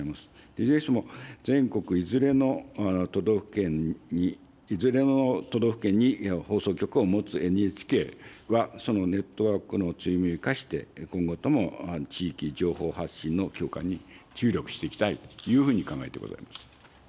いずれにしても、全国いずれの都道府県に放送局を持つＮＨＫは、そのネットワークの強みを生かして、今後とも地域情報発信の強化に注力していきたいというふうに考えてございます。